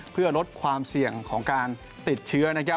เพื่อลดความเสี่ยงของการติดเชื้อ